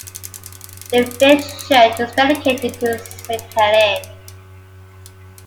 The village church is dedicated to Saint Helen.